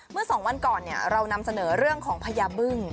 เมื่อ๒วันก่อนเรานำเสนอเรื่องของพญาบึ้ง